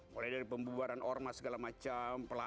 mulai dari pembuaran orma segala macam